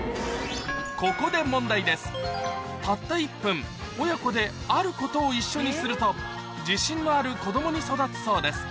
ここでたった１分親子であることを一緒にすると自信のある子供に育つそうです